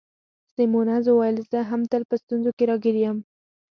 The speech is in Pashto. سیمونز وویل: زه هم تل په ستونزو کي راګیر یم.